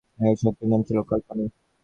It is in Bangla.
এই শাস্তির নাম ছিল কালাপানি।